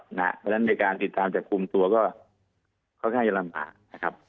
เพราะฉะนั้นในการติดตามจับคุมตัวก็ค่อนข้างจะลำบากนะครับ